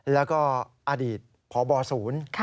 แล้วก็อดีตพบศูนย์